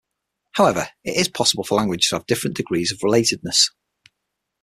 However, it is possible for languages to have different degrees of relatedness.